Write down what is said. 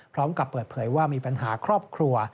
พร้อมกับเปิดเผยว่ามีปัญหาครอบครัว